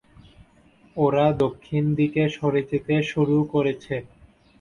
ওরা দক্ষিণ দিকে সরে যেতে শুরু করেছে।